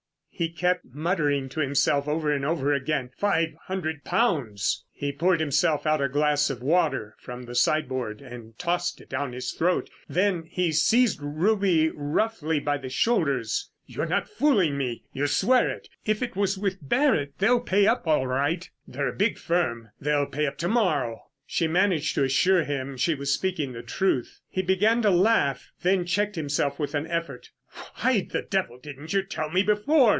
He kept muttering to himself over and over again. "Five hundred pounds!" He poured himself out a glass of water from the sideboard and tossed it down his throat. Then he seized Ruby roughly by the shoulders. "You're not fooling me. You swear it. If it was with Barrett they'll pay up all right. They're a big firm, they'll pay up to morrow." She managed to assure him she was speaking the truth. He began to laugh, then checked himself with an effort. "Why the devil didn't you tell me before?"